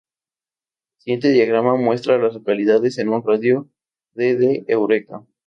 El siguiente diagrama muestra a las localidades en un radio de de Eureka.